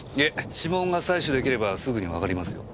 指紋が採取出来ればすぐにわかりますよ。